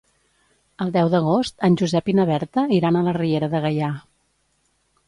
El deu d'agost en Josep i na Berta iran a la Riera de Gaià.